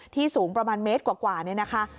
สูงประมาณเมตรกว่านี่นะคะ